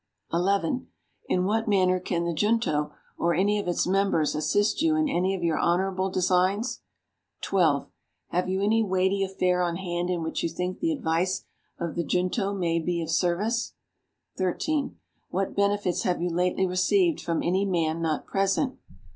11. In what manner can the Junto, or any of its members, assist you in any of your honorable designs? 12. Have you any weighty affair on hand in which you think the advice of the Junto may be of service? 13. What benefits have you lately received from any man not present?